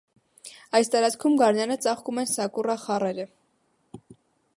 Այս տարածքում գարնանը ծաղկում են սակուրա խառերը։